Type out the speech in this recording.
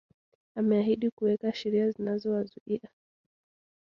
Ameahidi kuweka sheria zinazowazuia